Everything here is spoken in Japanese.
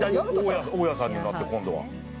大家さんになって、今度は。